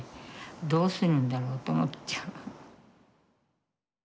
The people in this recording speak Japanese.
どうするんだろうと思っちゃう。